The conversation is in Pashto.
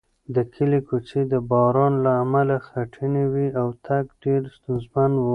د کلي کوڅې د باران له امله خټینې وې او تګ ډېر ستونزمن و.